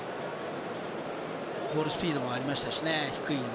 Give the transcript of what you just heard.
ボールスピードもありましたし、低くね。